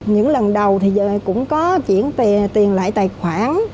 những lần đầu thì giờ cũng có chuyển tiền lại tài khoản